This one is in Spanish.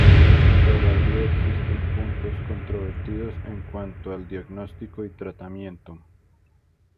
Todavía existen puntos controvertidos en cuanto al diagnóstico y tratamiento.